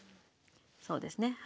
そうですね。